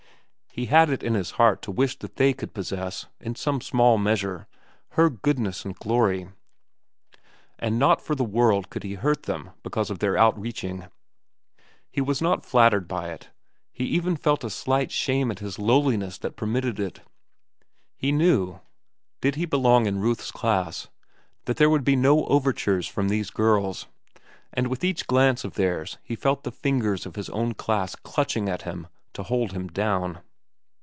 He had it in his heart to wish that they could possess, in some small measure, her goodness and glory. And not for the world could he hurt them because of their outreaching. He was not flattered by it; he even felt a slight shame at his lowliness that permitted it. He knew, did he belong in Ruth's class, that there would be no overtures from these girls; and with each glance of theirs he felt the fingers of his own class clutching at him to hold him down.